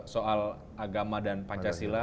soal agama dan pancasila